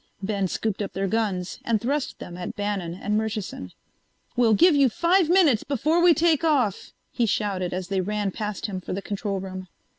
Ben scooped up their guns and thrust them at Bannon and Murchison. "We'll give you five minutes before we take off," he shouted as they ran past him for the control room.